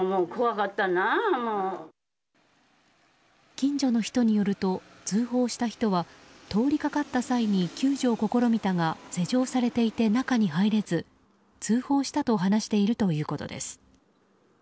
近所の人によると通報した人は通りかかった際に救助を試みたが施錠されていて中に入れず通報したと話しているということです。